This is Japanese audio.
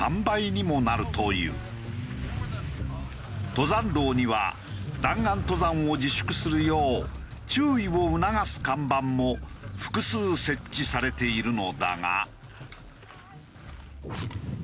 登山道には弾丸登山を自粛するよう注意を促す看板も複数設置されているのだが。